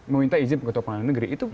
meminta izin ketua pengelola negeri